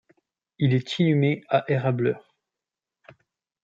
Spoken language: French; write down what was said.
Il est inhumé à Erablur.